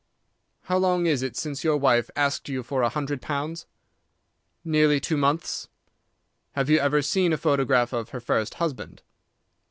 "How long is it since your wife asked you for a hundred pounds?" "Nearly two months." "Have you ever seen a photograph of her first husband?"